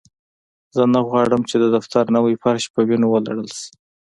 زه نه غواړم چې د دفتر نوی فرش په وینو ولړل شي